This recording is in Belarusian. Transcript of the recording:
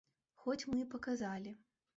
Хоць мы і паказалі.